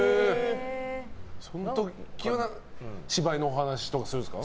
その時は芝居のお話とかするんですか？